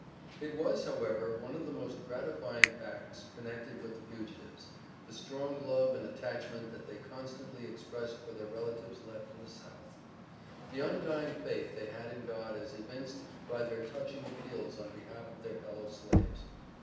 It was, however, one of the most gratifying facts connected with the fugitives, the strong love and attachment that they constantly expressed for their relatives left in the South; the undying faith they had in God as evinced by their touching appeals on behalf of their fellow slaves.